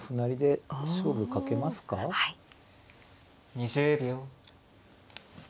２０秒。